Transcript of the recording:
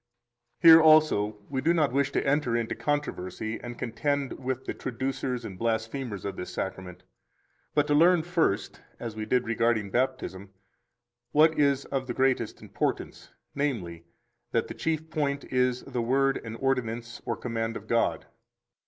4 Here also we do not wish to enter into controversy and contend with the traducers and blasphemers of this Sacrament, but to learn first (as we did regarding Baptism) what is of the greatest importance, namely, that the chief point is the Word and ordinance or command of God.